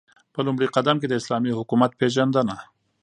په لومړی قدم كې داسلامي حكومت پيژندنه